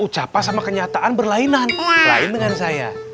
ucapan sama kenyataan berlainan lain dengan saya